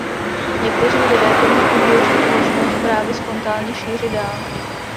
Někteří lidé tomu uvěří a začnou zprávy spontánně šířit dál.